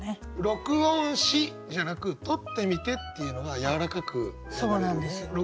「録音し」じゃなく「録ってみて」っていうのがやわらかく流れるよね。